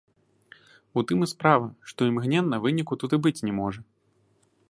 У тым і справа, што імгненнага выніку тут і быць не можа.